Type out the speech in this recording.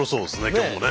今日もね。